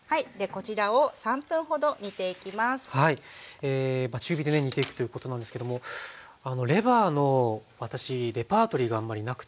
こちらを中火でね煮ていくということなんですけどもレバーの私レパートリーがあんまりなくてですね